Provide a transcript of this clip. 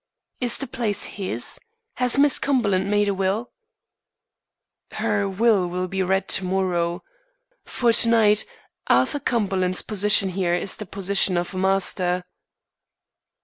"Is the place his? Has Miss Cumberland made a will?" "Her will will be read to morrow. For to night, Arthur Cumberland's position here is the position of a master."